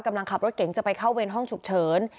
กำลังขับรถเก๋งจะไปเข้าเวรห้องฉุกเฉิน